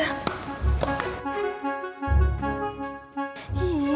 ih ngeselin banget sih si arin